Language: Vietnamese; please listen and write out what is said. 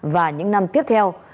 và những năm tiếp theo